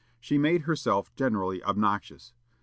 She made herself generally obnoxious.